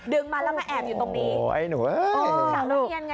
ดึงมาแล้วมาแอบอยู่ตรงนี้